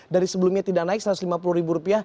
dari sebelumnya tidak naik rp satu ratus lima puluh